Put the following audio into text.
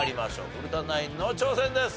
古田ナインの挑戦です。